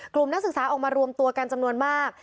นักศึกษาออกมารวมตัวกันจำนวนมาก